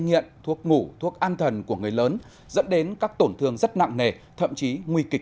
nghiện thuốc ngủ thuốc an thần của người lớn dẫn đến các tổn thương rất nặng nề thậm chí nguy kịch